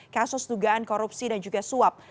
kasus dugaan korupsi dan juga suap